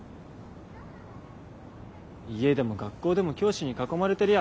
家でも学校でも教師に囲まれてりゃ